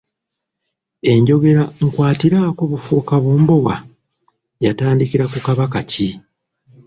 Enjogera "nkwatiraako bufuuka bumbowa" yatandikira ku Kabaka ki?